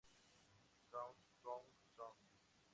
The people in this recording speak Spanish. Countdown", "Show!